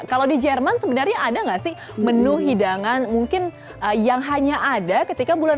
kalau di jerman sebenarnya ada nggak sih menu hidangan mungkin yang hanya ada ketika bulan